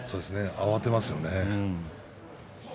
慌てますよね。